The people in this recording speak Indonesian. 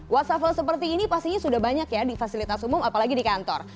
wassafel seperti ini pastinya sudah banyak ya di fasilitas umum apalagi di kantor